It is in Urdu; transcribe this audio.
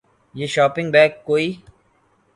یہ شاپنگ بیگ کوئی